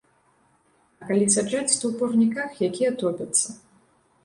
А калі саджаць, то ў парніках, якія топяцца.